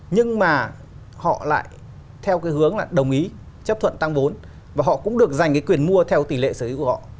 nhưng mà họ lại theo cái hướng là đồng ý chấp thuận tăng vốn và họ cũng được giành cái quyền mua theo tỷ lệ sở hữu của họ